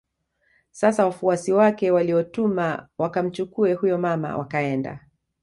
Sasa wafuasi wake aliowatuma wakamchukue huyo mama wakaenda